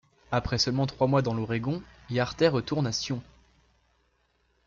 Après seulement trois mois dans l'Oregon, Yartey retourne à Sion.